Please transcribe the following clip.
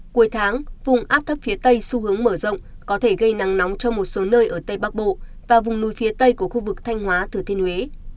cuối tháng vùng áp thấp phía tây xu hướng mở rộng có thể gây nắng nóng cho một số nơi ở tây bắc bộ và vùng núi phía tây của khu vực thanh hóa thừa thiên huế